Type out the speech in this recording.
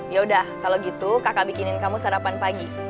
yaudah kalau gitu kakak bikinin kamu sarapan pagi